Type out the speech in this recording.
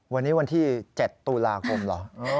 วันนี้วันที่๗ตุลาคมเหรอ